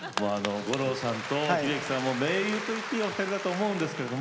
五郎さんと秀樹さん盟友といっていいお二人だと思うんですけれども